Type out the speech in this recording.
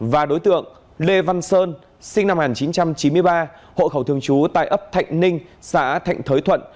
và đối tượng lê văn sơn sinh năm một nghìn chín trăm chín mươi ba hộ khẩu thường trú tại ấp thạnh ninh xã thạnh thới thuận